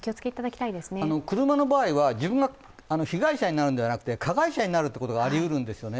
車の場合は自分が被害者になるのではなくて加害者になることがありうるんですよね。